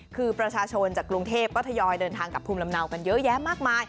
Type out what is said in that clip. คือประชาชนจากกรุงเทพก็ทยอยเดินทางกับภูมิลำเนากันเยอะแยะมากมาย